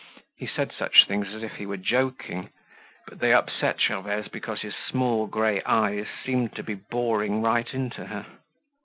He said such things as if he were joking, but they upset Gervaise because his small grey eyes seemed to be boring right into her.